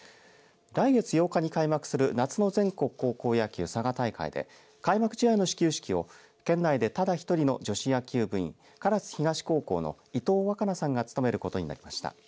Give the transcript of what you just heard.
来月８日に開幕する夏の全国高校野球佐賀大会で開幕試合の始球式を県内でただ１人の女子野球部員唐津東高校の伊藤羽叶さんが務めることになりました。